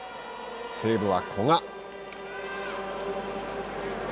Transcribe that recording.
西武は古賀。